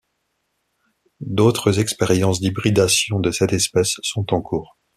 D'autres expériences d'hybridations de cette espèce sont en cours.